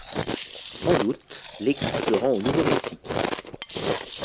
En août, l'équipe se rend au Nouveau-Mexique.